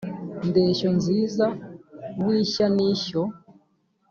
Ndeshyo nziza w’ishya n’ishyo.